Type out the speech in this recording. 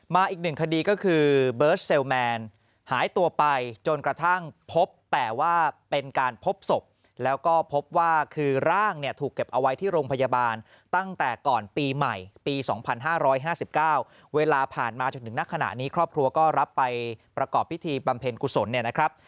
อีกหนึ่งคดีก็คือเบิร์ตเซลแมนหายตัวไปจนกระทั่งพบแต่ว่าเป็นการพบศพแล้วก็พบว่าคือร่างเนี่ยถูกเก็บเอาไว้ที่โรงพยาบาลตั้งแต่ก่อนปีใหม่ปี๒๕๕๙เวลาผ่านมาจนถึงนักขณะนี้ครอบครัวก็รับไปประกอบพิธีบำเพ็ญกุศลเนี่ยนะครับ